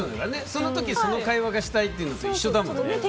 その時その会話がしたいというのと一緒だもん。